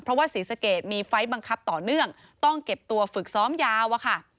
เพราะว่าศรีสะเกดมีไฟล์บังคับต่อเนื่องต้องเก็บตัวฝึกซ้อมยาวอะค่ะ